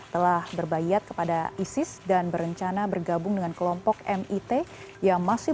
telah berbayat kepada isis dan berencana bergabung dengan kelompok mit yang masih